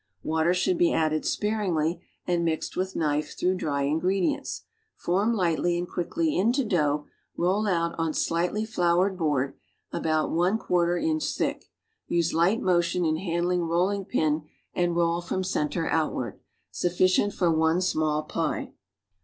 Water should he added sparingly and mixed willi knife tliroiigli ilry inyieilients. Form liglitly and fpiickly into dough, roll out on slightly floured board, about one quarter inch thick. Use light motion in handling rolling pin and roll from c entcr outward. Sufficient for one small pie.